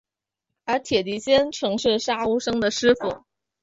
而铁笛仙曾经是杀无生的师父。